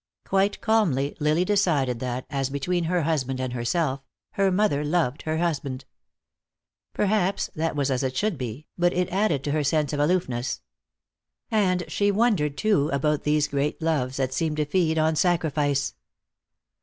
Quite calmly Lily decided that, as between her husband and herself, her mother loved her husband. Perhaps that was as it should be, but it added to her sense of aloofness. And she wondered, too, about these great loves that seemed to feed on sacrifice.